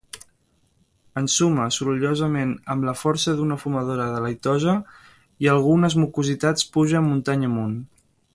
Ensuma sorollosament, amb la força d'una fumadora delitosa, i algunes mucositats pugen muntanya amunt.